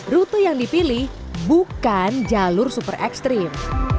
rute yang dipilih bukan jalur super ekstrim